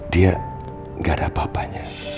dia gak ada apa apanya